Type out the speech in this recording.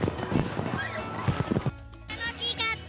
楽しかった。